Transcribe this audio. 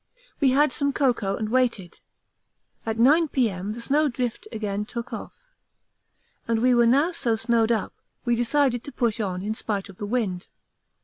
We had some cocoa and waited. At 9 P.M. the snow drift again took off, and we were now so snowed up, we decided to push on in spite of the wind.